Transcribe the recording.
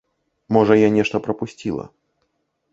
Можа, я нешта прапусціла.